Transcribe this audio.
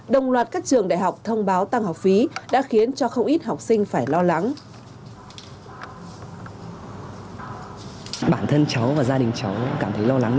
đồng loạt các trường đại học thông báo tăng học phí đã khiến cho không ít học sinh phải lo lắng